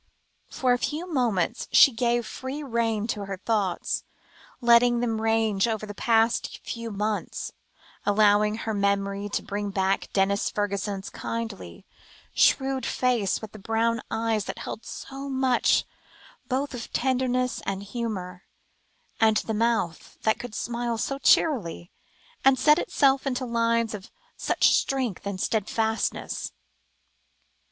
For a few moments she gave free rein to her thoughts, letting them range over the past few months, allowing her memory to bring back Denis Fergusson's kindly, shrewd face, with the brown eyes that held so much both of tenderness and humour, and the mouth that could smile so cheerily, and set itself into lines of such strength and steadfastness.